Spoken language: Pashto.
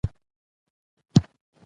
پاک ښار، زموږ ګډ مسؤليت دی.